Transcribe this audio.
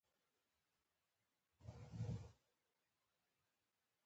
دوی د پارتیا له پاچاهانو سره وجنګیدل